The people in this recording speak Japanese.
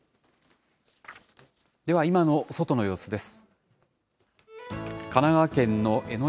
では今の外の様子です。